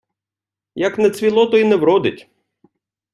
Як не цвіло, то й не вродить.